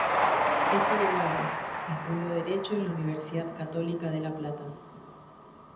Es abogado, estudió Derecho en la Universidad Católica de La Plata.